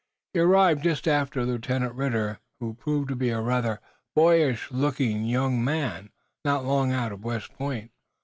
He arrived just after Lieutenant Ridder, who proved to be a rather boyish looking young man, not long out of West Point.